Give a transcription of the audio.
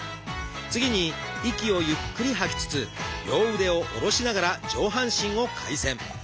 次に息をゆっくり吐きつつ両腕を下ろしながら上半身を回旋。